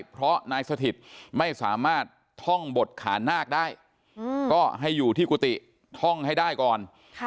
เพราะนายสถิตไม่สามารถท่องบดขานาคได้ก็ให้อยู่ที่กุฏิท่องให้ได้ก่อน